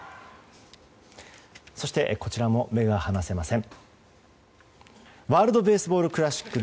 そしてこちらも目が離せません。